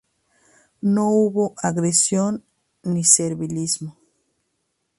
No hubo agresión ni servilismo.